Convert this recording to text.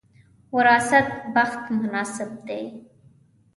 وراثت بخت مناسب دی.